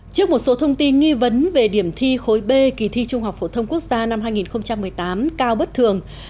trước một số thông tin nghi vấn về điểm thi khối b kỳ thi trung học phổ thông quốc gia năm hai nghìn một mươi tám cao bất thường